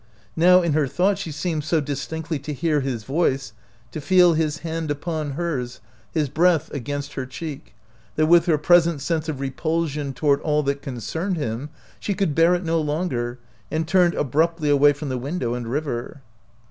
Now in her thought she seemed so distinctly to hear his voice, to feel his hand upon hers, his breath against her cheek, that with her pres ent sense of repulsion toward all that con cerned him she could bear it no longer, and turned abruptly away from the window and river.